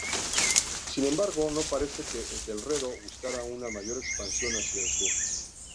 Sin embargo, no parece que Etelredo buscara una mayor expansión hacia el sur.